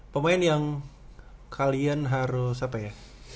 pemain yang kalian harus apa ya